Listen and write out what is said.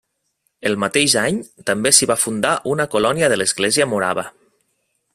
El mateix any també s'hi va fundar una colònia de l'Església Morava.